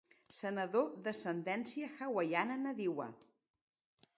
Senador d'ascendència hawaiana nadiua.